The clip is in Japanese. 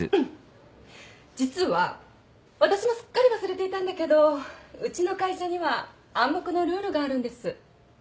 実は私もすっかり忘れていたんだけどうちの会社には暗黙のルールがあるんです。